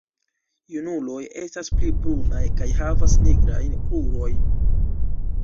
Junuloj estas pli brunaj kaj havas nigrajn krurojn.